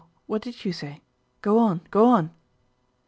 What did you say? Go on, go on."